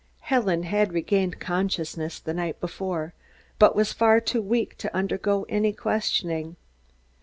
Helen had regained consciousness the night before, but was far too weak to undergo any questioning.